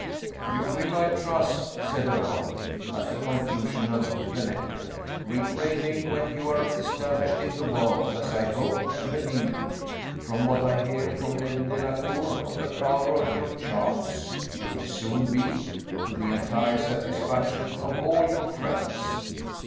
"You will, I trust," said her aunt, at the conclusion of the letter, "repay me when you are established in the world; as I hope and believe, from what I hear from Lady Delacour of the power of your charms, you will soon be, to the entire satisfaction of all your friends.